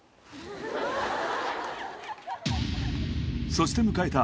そして迎えた